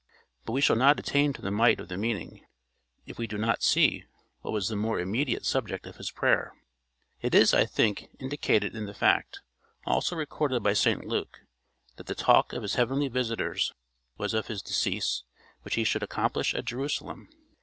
But we shall not attain to the might of the meaning, if we do not see what was the more immediate subject of his prayer. It is, I think, indicated in the fact, also recorded by St Luke, that the talk of his heavenly visitors was "of his decease which he should accomplish at Jerusalem."